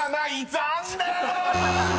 ［残念！］